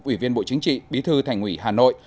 ủy viên bộ chính trị bí thư thành ủy hà nội